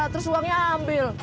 terus uangnya ambil